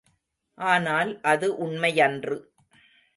ஆனால் அது உண்மையன்று.